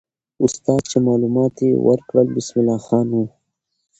استاد چې معلومات یې ورکړل، بسم الله خان وو.